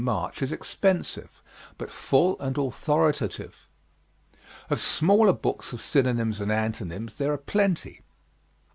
March, is expensive, but full and authoritative. Of smaller books of synonyms and antonyms there are plenty.